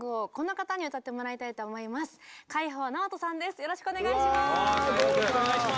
よろしくお願いします。